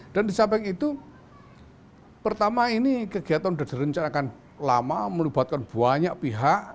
dan sampai itu pertama ini kegiatan sudah direncanakan lama melibatkan banyak pihak bukan hanya ajc saja